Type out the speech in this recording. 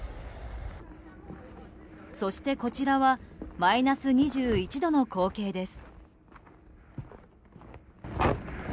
そして、こちらはマイナス２１度の光景です。